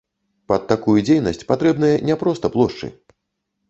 Пад такую дзейнасць патрэбныя не проста плошчы!